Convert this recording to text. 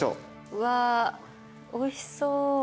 うわおいしそう。